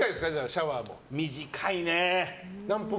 シャワー。